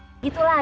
wuih iu terserah